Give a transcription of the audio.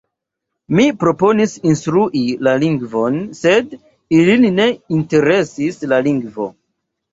Mi proponis instrui la lingvon sed ilin ne interesis la lingvo.